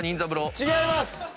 違います。